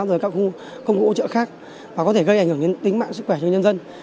và các công cụ ổ trợ khác và có thể gây ảnh hưởng đến tính mạng sức khỏe cho nhân dân